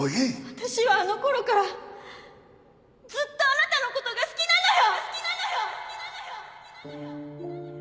私はあの頃からずっとあなたの事が好きなのよ！